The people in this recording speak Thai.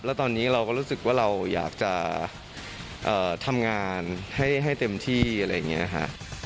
แล้วตอนนี้เราก็รู้สึกว่าเราอยากจะทำงานให้เต็มที่อะไรอย่างนี้ค่ะ